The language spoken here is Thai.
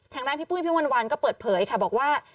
ทางด้านพี่ปุ้ยพี่มนต์วันก็เปิดเผยค่ะบอกว่า